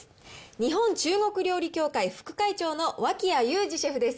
日本中国料理協会副会長の脇屋友詞シェフです。